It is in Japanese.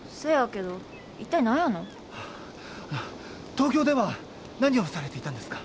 東京では何をされていたんですか？